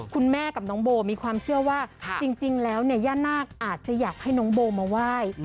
คุณแม่กับน้องโบมีความเชื่อว่าจริงแล้วเนี่ยย่านาคอาจจะอยากให้น้องโบมาไหว้